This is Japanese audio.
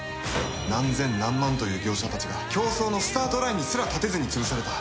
何千何万という業者たちが競争のスタートラインにすら立てずに潰された。